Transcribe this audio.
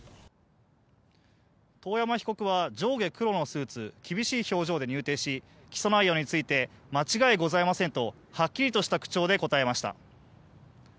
遠山被告は上下黒のスーツ厳しい表情で入廷し起訴内容について間違いございませんとはっきりとした口調で答えました。